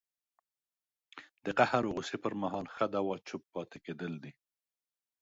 د قهر او غوسې پر مهال ښه دوا چپ پاتې کېدل دي